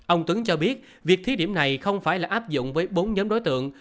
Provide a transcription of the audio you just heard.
ông tuấn cho biết việc thí điểm này không phải là áp dụng với bốn nhóm đối tượng